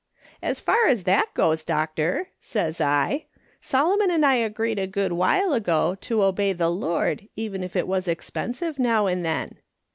'As far as that goes, doctor,' says I, ' Solomon and I agreed a good wliile ago to obey the Lord even if it was expensive now and then.'